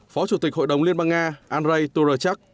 phó chủ tịch hội đồng liên bang nga andrei turochak